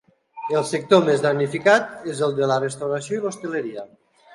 El sector més damnificat és el de la restauració i l’hostaleria.